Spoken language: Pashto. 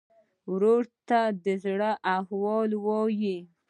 ورور ته د زړګي احوال وایې.